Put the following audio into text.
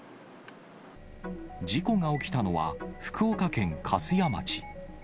事故が起きたのは福岡県粕屋町。